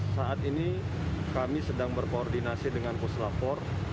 saat ini kami sedang berkoordinasi dengan pusat labor